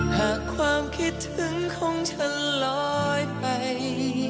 หากความคิดถึงของฉันลอยไป